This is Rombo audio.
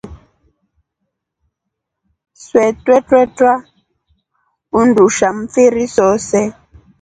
Swee twerara undusha mfiri sose.